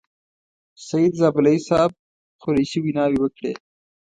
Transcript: سعید زابلي صاحب، قریشي ویناوې وکړې.